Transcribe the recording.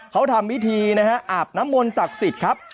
เขาทำพิธีนะฮะอาบน้ำมนต์ศักดิ์สิทธิ์ครับ